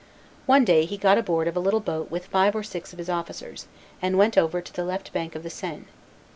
One day he got aboard of a little boat with five of his officers, and went over to the left bank of the Seine.